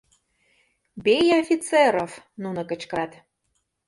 — Бей офицеров! — нуно кычкырат.